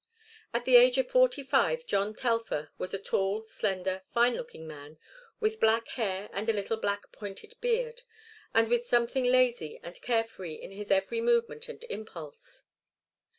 At the age of forty five John Telfer was a tall, slender, fine looking man, with black hair and a little black pointed beard, and with something lazy and care free in his every movement and impulse.